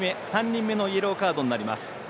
３人目のイエローカードになります。